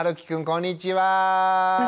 こんにちは。